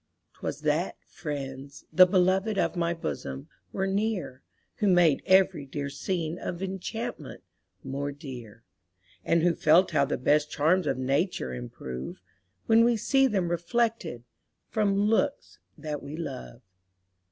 'Twas that friends, the beloved of my bosom, were near, Who made every dear scene of enchantment more dear, And who felt how the best charms of nature improve, When we see them reflected from looks that we love.